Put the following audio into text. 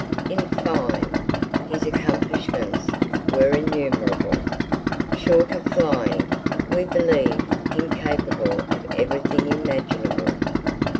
In fine, his accomplishments were innumerable. Short of flying, we believed him capable of everything imaginable.